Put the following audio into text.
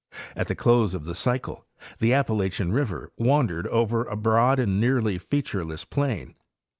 At the close of the cycle the Appa lachian river wandered over a broad and nearly featureless plain.